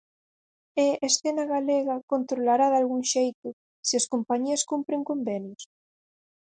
E Escena Galega controlará dalgún xeito se as compañías cumpren convenios?